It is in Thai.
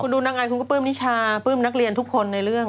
ดูนางอายคุณก็ปลื้มนิชาปลื้มนักเรียนทุกคนในเรื่อง